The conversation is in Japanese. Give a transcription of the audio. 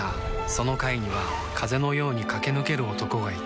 その階には風のように駆け抜ける男がいた